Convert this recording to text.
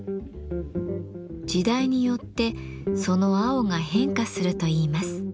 時代によってその青が変化するといいます。